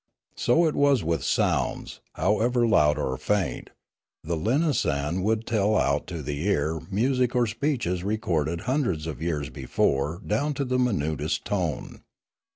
So was it with sounds, however loud or faint; the linasan would tell out to the ear music or speeches recorded hundreds of years before down to the minutest tone.